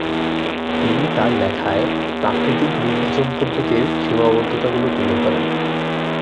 তিনি তাঁর লেখায় প্রাকৃতিক নির্বাচন পদ্ধতির সীমাবদ্ধতাগুলো তুলে ধরেন।